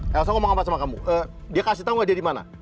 elsa ngomong apa sama kamu dia kasih tau gak dia dimana